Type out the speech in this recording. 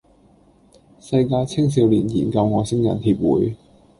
世界青少年研究外星人協會